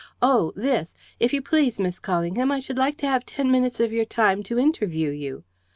Oh, this! If you please, Miss Callingham, I should like to have ten minutes of your time to interview you!"